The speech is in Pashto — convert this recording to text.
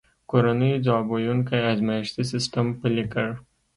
کورنیو ځواب ویونکی ازمایښتي سیستم پلی کړ.